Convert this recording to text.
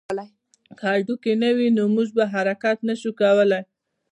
که هډوکي نه وی نو موږ به حرکت نه شوای کولی